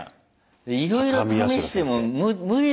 でいろいろ試しても無理だよね。